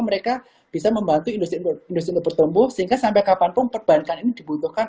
mereka bisa membantu industri untuk bertumbuh sehingga sampai kapanpun perbankan ini dibutuhkan